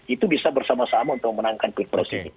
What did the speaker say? itu bisa bersama sama untuk menangkan ppr